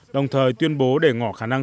đồng thời tuyên bố để ngỏ khả năng